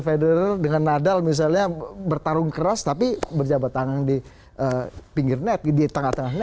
feder dengan nadal misalnya bertarung keras tapi berjabat tangan di pinggir net di tengah tengahnya